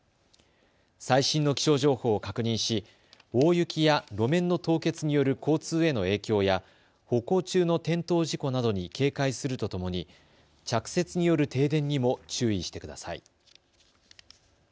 最新の気象情報を確認し大雪や路面の凍結による交通への影響や歩行中の転倒事故などに警戒するとともに着雪による停電にも注意してください。